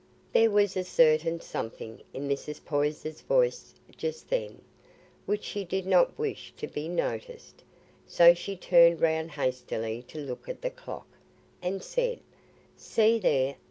There was a certain something in Mrs. Poyser's voice just then, which she did not wish to be noticed, so she turned round hastily to look at the clock, and said: "See there!